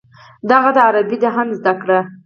دغه ده عربي دې هم زده کړه.